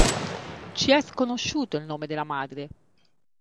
Ci è sconosciuto il nome della madre.